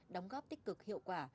đóng góp tích cực hiệu quả